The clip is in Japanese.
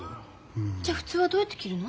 じゃ普通はどうやって切るの？